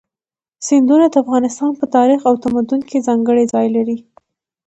سیندونه د افغانستان په تاریخ او تمدن کې ځانګړی ځای لري.